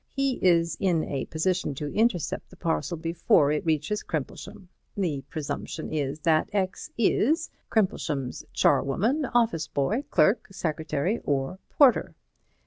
He is in a position to intercept the parcel before it reaches Crimplesham. The presumption is that X is Crimplesham's charwoman, office boy, clerk, secretary or porter.